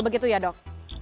begitu ya dok